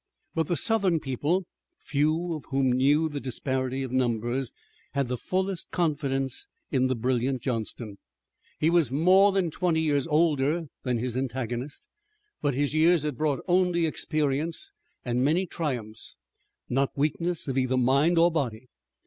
But the Southern people, few of whom knew the disparity of numbers, had the fullest confidence in the brilliant Johnston. He was more than twenty years older than his antagonist, but his years had brought only experience and many triumphs, not weakness of either mind or body.